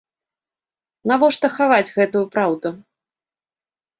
Навошта хаваць гэтую праўду?